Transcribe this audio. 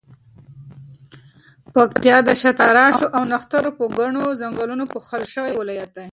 پکتیا د شاتراشو او نښترو په ګڼو ځنګلونو پوښل شوی ولایت دی.